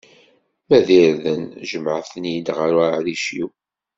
Ma d irden, jemɛet-ten-id ɣer uɛric-iw.